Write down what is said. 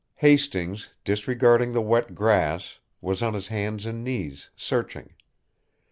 Hastings, disregarding the wet grass, was on his hands and knees, searching.